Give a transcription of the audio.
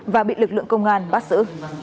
và bị lực lượng công an bắt xử